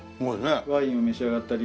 ワインを召し上がったり。